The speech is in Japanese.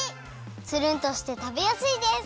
つるんとしてたべやすいです！